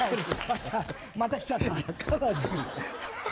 また来ちゃった。